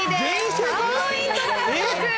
３ポイント獲得。